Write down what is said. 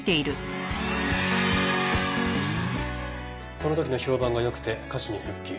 この時の評判が良くて歌手に復帰。